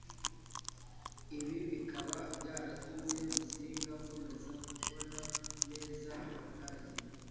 Ibi bikaba byaratumye Musinga akomeza kubona neza Abadage,